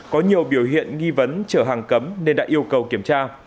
có nhiều biểu hiện nghi vấn chở hàng cấm nên đã yêu cầu kiểm tra